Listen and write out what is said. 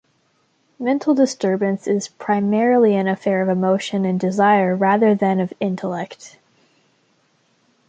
Mental disturbance is primarily an affair of emotion and desire rather than of intellect.